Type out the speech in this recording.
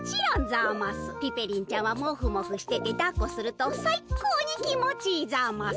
ピペリンちゃんはもふもふしててだっこするとさいこうにきもちいいざます。